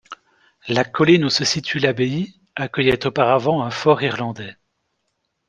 La colline où se situe l'abbaye accueillait auparavant un fort irlandais.